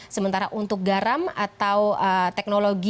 sementara untuk garam atau teknologi